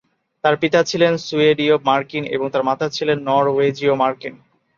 তার পিতা ছিলেন সুয়েডীয়-মার্কিন এবং তার মাতা ছিলেন নরওয়েজীয়-মার্কিন।